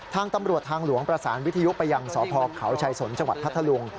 ทางตำรวจทางหลวงประสานวิทยุไปยังสพเขาชายสนจังหวัดพัทธลุง